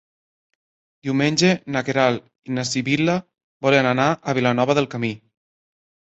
Diumenge na Queralt i na Sibil·la volen anar a Vilanova del Camí.